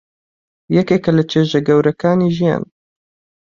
یەکێکە لە چێژە گەورەکانی ژیان.